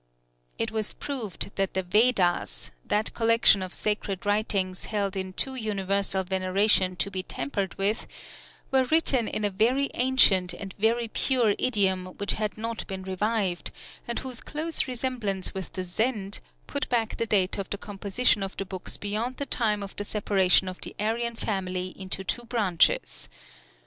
It was proved that the Vedas, that collection of sacred writings held in too universal veneration to be tampered with, were written in a very ancient and very pure idiom which had not been revived, and whose close resemblance with the Zend, put back the date of the composition of the books beyond the time of the separation of the Aryan family into two branches.